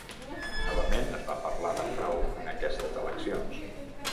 Novament es va parlar de frau en aquestes eleccions.